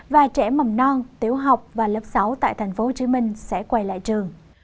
và trẻ mầm non tiểu học và lớp sáu tại tp hcm sẽ quay lại trường